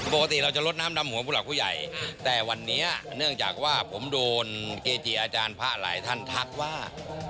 ปกติเราจะลดน้ำดำหัวผู้หลักผู้ใหญ่แต่วันนี้เนื่องจากว่าผมโดนเกจิอาจารย์พระหลายท่านทักว่า